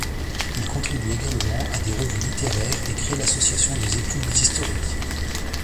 Il contribue également à des revues littéraires et crée l'association des études historiques.